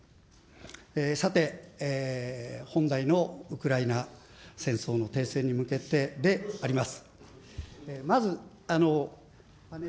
さて、本題のウクライナ戦争の停戦に向けてであります。